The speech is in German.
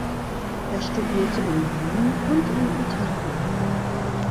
Er studierte in Wien und in Italien.